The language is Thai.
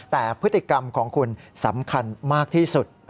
แต่พฤติกรรมของคุณสำคัญมากที่สุด